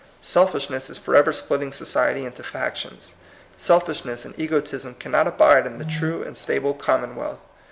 Selfishness is forever splitting society into factions; selfishness and egotism cannot abide in the true and stable commonwealth.